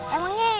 emangnya bos yakin